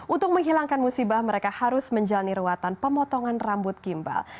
untuk menghilangkan musibah mereka harus menjalani ruatan pemotongan rambut gimbal